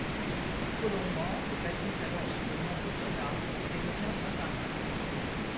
Colomban le baptise alors sous le nom de Donat et devient son parrain.